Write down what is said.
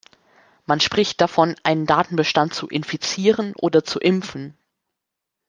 Man spricht davon, einen Datenbestand zu „infizieren“ oder zu „impfen“.